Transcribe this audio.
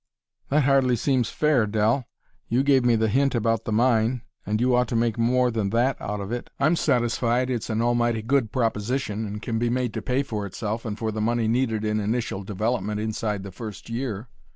"That hardly seems fair, Dell. You gave me the hint about the mine, and you ought to make more than that out of it. I'm satisfied it's an almighty good proposition and can be made to pay for itself and for the money needed in initial development inside the first year."